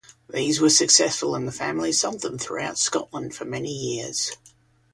These were successful and the family sold them throughout Scotland for many years.